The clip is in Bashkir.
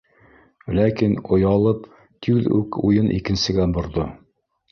Ләкин, оялып, тиҙ үк уйын икенсегә борҙо: